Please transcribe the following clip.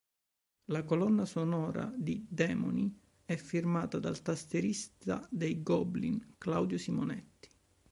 La colonna sonora di Dèmoni è firmata dal tastierista dei Goblin, Claudio Simonetti.